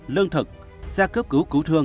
lương thực xe cướp cứu cứu thương